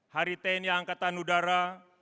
hari tni angkatan udara